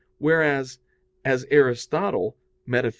Whereas, as Aristotle (Metaph.